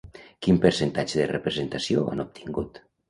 Quin percentatge de representació han obtingut?